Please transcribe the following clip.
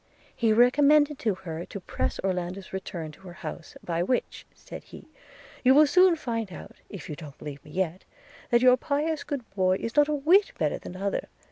He recommended it to her to press Orlando's return to her house; 'by which,' said he, 'you will soon find out, if you don't believe it yet, that your pious good boy is not a whit better than t'other.